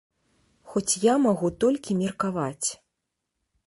Хоць я магу толькі меркаваць.